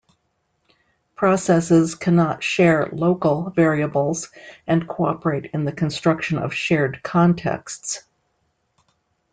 Processes cannot share "local" variables and cooperate in the construction of shared "contexts.